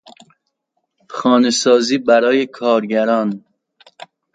خانه سازی برای کارگران